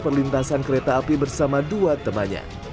perlintasan kereta api bersama dua temannya